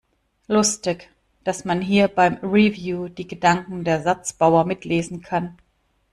Lustig, dass man hier beim Review die Gedanken der Satzbauer mitlesen kann!